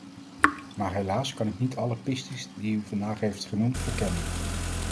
Maar helaas kan ik niet alle pistes die u vandaag heeft genoemd verkennen.